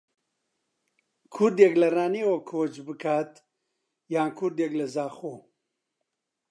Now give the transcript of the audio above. کوردێک لە ڕانیەوە کۆچ بکات یان کوردێک لە زاخۆ